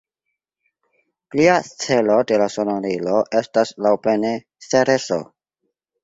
Plia celo de la sondilo estas laŭplane Cereso.